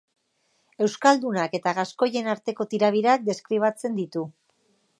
Euskaldunak eta gaskoien arteko tirabirak deskribatzen ditu.